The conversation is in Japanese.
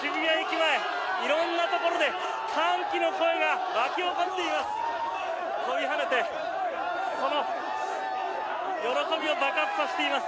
前色んなところで歓喜の声が沸き起こっています。